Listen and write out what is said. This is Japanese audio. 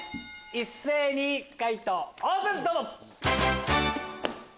一斉に解答オープン！